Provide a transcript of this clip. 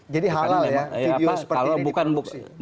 jadi halal ya video seperti ini diproduksi